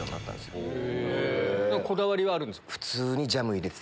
こだわりはあるんですか？